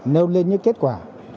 nêu lên những kết quả